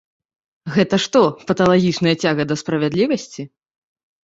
Гэта што, паталагічная цяга да справядлівасці?